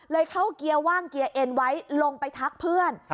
เข้าเกียร์ว่างเกียร์เอ็นไว้ลงไปทักเพื่อน